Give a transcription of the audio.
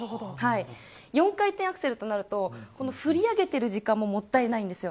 ４回転アクセルとなると振り上げている時間ももったいないんです。